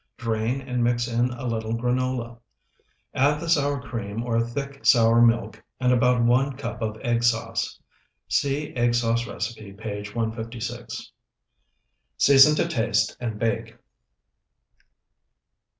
Drain and mix in a little granola. Add the sour cream or thick sour milk and about one cup of egg sauce. (See egg sauce recipe, page 156.) Season to taste and bake.